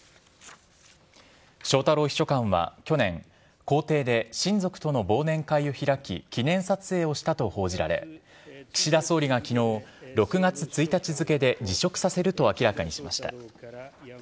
翔太郎秘書官は去年、公邸で親族との忘年会を開き記念撮影をしたと報じられ、岸田総理がきのう、６月１日付で辞職させると明らかにしました。